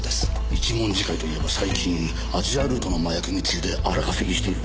一文字会といえば最近アジアルートの麻薬密輸で荒稼ぎしている。